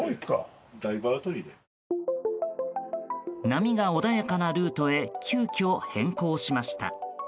波が穏やかなルートへ急きょ、変更しました。